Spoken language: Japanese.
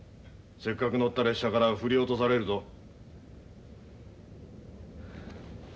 せっかく乗った列車から振り落とされるぞ。